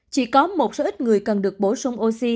chỉ có một số ít người cần được bổ số